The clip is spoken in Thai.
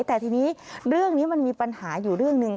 แต่ทีนี้เรื่องนี้มันมีปัญหาอยู่เรื่องหนึ่ง